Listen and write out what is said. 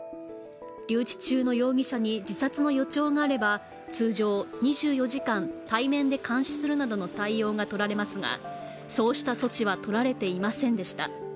留置中の容疑者に自殺の予兆があれば、通常、２４時間対面で監視するなどの対応がとられますがそうした措置は取られていませんでした。